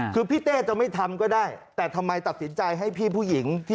คือพี่เต้จะไม่ทำก็ได้แต่ทำไมตัดสินใจให้พี่ผู้หญิง